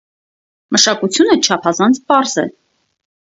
Մշակությունը չափազանց պարզ է։